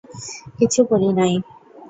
কিছু করি নাই।